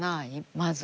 まず。